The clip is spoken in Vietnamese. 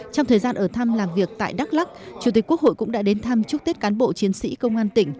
trong thời gian ở thăm làm việc tại đắk lắc chủ tịch quốc hội cũng đã đến thăm chúc tết cán bộ chiến sĩ công an tỉnh